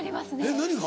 何が？